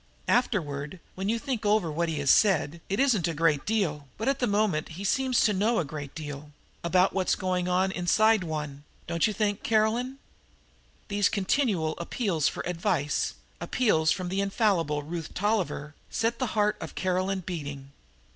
"Afterward, when you think over what he has said, it isn't a great deal, but at the moment he seems to know a great deal about what's going on inside one, don't you think, Caroline?" These continual appeals for advice, appeals from the infallible Ruth Tolliver, set the heart of Caroline beating.